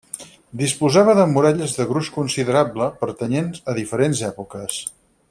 Disposava de muralles de gruix considerable, pertanyents a diferents èpoques.